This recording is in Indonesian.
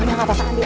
tidak apa apa andi